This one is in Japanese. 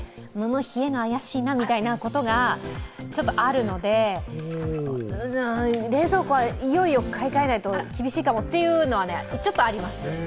冷えが怪しいなみたいなことがちょっとあるので、冷蔵庫はいよいよ買い替えないと厳しいかもというのは、ちょっとあります。